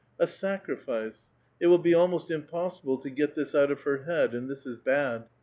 . "A sacrilice —, it will be almost impossible to get this out of her head, and this is bad.